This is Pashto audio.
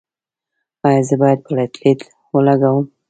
ایا زه باید پلیټلیټ ولګوم؟